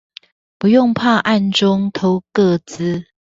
不用怕暗中偷個資